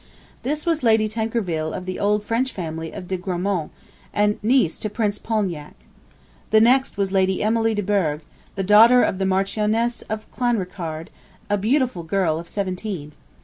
This was Lady Tankerville of the old French family of de Grammont and niece to Prince Polignac. The next was Lady Emily de Burgh, the daughter of the Marchioness of Clanricarde, a beautiful girl of seventeen.